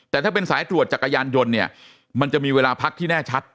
แต่ถ้าเป็นสายตรวจจักรยานยนต์เนี่ยมันจะมีเวลาพักที่แน่ชัด